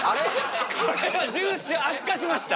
これは悪化しました。